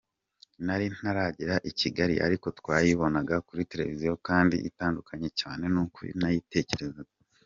Nari ntaragera i Kigali, ariko twayibonaga kuri televiziyo kandi itandukanye cyane n’uko nayitekerezaga.